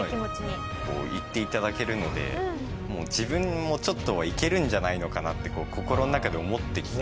言って頂けるので自分もちょっといけるんじゃないのかなって心の中で思ってきて。